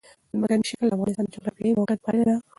ځمکنی شکل د افغانستان د جغرافیایي موقیعت پایله ده.